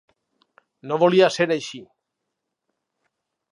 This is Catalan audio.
No volia ser així.